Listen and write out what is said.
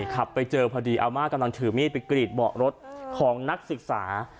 ขับไปเจอพอดีอาม่ากำลังถือมีดไปกรีดเบาะรถของนักศึกษา